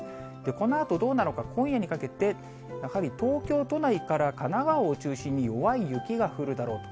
このあとどうなのか、今夜にかけて、やはり東京都内から、神奈川を中心に、弱い雪が降るだろうと。